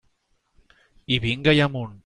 I vinga i amunt.